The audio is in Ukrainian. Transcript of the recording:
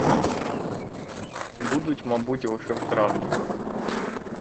Будуть, мабуть, лише в травні.